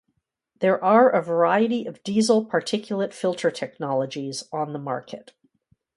There are a variety of diesel particulate filter technologies on the market.